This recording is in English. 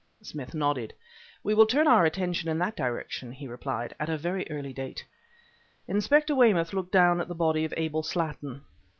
'" Smith nodded. "We will turn our attention in that direction," he replied, "at a very early date." Inspector Weymouth looked down at the body of Abel Slattin.